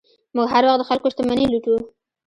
موږ هر وخت د خلکو شتمنۍ لوټو.